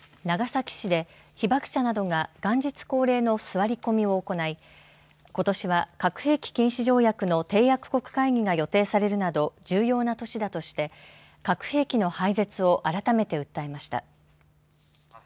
長崎市で被爆者などが元日恒例の座り込みを行いことしは核兵器禁止条約の締約国会議が予定されるなど重要な年だとして核兵器の廃絶を改めて訴えました。